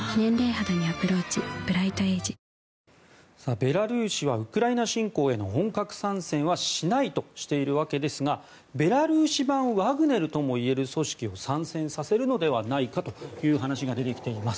ベラルーシはウクライナ侵攻への本格参戦はしないとしているわけですがベラルーシ版ワグネルともいえる組織を参戦させるのではないかという話が出てきています。